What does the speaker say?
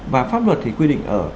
và pháp luật thì quy định ở